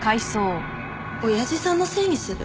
親父さんのせいにする？